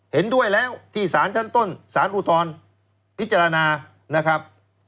เห็นด้วยแล้วที่สารชั้นต้นสารอุทธรพิจารณานะครับ